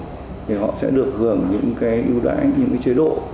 thì họ sẽ được hưởng những cái ưu đãi những cái chế độ